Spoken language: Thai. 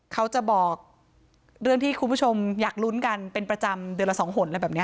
เขาจะบอกเรื่องที่คุณผู้ชมอยากลุ้นกันเป็นประจำเดือนละสองหนอะไรแบบนี้